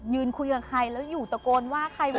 ยืนคุยกับใครแล้วอยู่ตะโกนว่าใคร